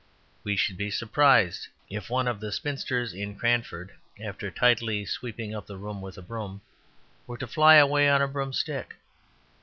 We should be surprised if one of the spinsters in Cranford, after tidily sweeping the room with a broom, were to fly away on a broomstick.